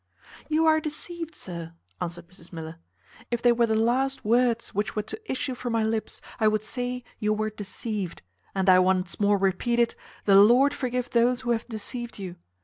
"You are deceived, sir," answered Mrs Miller; "if they were the last words which were to issue from my lips, I would say you were deceived; and I once more repeat it, the Lord forgive those who have deceived you!